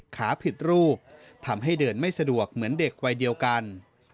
ขาผิดรูปทำให้เดินไม่สะดวกเหมือนเด็กวัยเดียวกัน